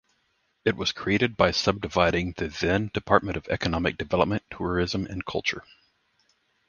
It was created by subdividing the then Department of Economic Development, Tourism and Culture.